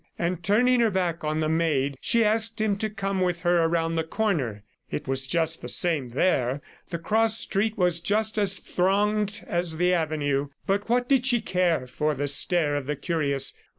And turning her back on the maid, she asked him to come with her round the corner. It was just the same there. The cross street was just as thronged as the avenue. But what did she care for the stare of the curious!